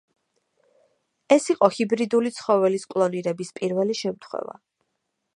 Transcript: ეს იყო ჰიბრიდული ცხოველის კლონირების პირველი შემთხვევა.